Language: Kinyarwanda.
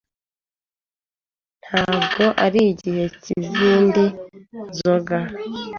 Ntabwo ari igihe cyizindi nzoga?